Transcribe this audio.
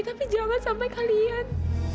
tapi jangan sampai kalian